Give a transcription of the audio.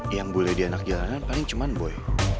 yang boleh di anak jalanan paling cuma boy